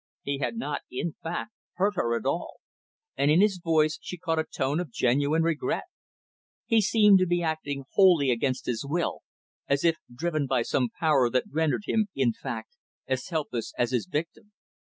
He had not, in fact, hurt her at all; and, in his voice, she caught a tone of genuine regret. He seemed to be acting wholly against his will; as if driven by some power that rendered him, in fact, as helpless as his victim.